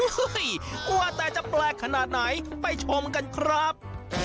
กลัวแต่จะแปลกขนาดไหนไปชมกันครับ